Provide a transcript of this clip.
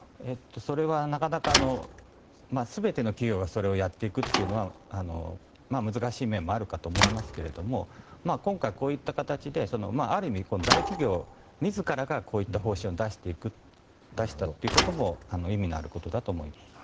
それは全ての企業がそれをやっていくのは難しい面もあるかと思いますけれども今回こういった形である意味大企業自らがこういった方針を出したということも意味のあることだと思います。